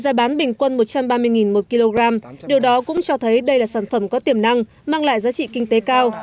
giá bán bình quân một trăm ba mươi một kg điều đó cũng cho thấy đây là sản phẩm có tiềm năng mang lại giá trị kinh tế cao